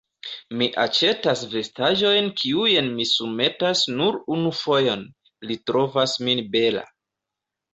Mi aĉetas vestaĵojn kiujn mi surmetas nur unu fojon: li trovas min bela.